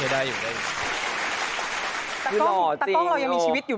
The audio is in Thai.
โอ้โหได้อยู่ได้อยู่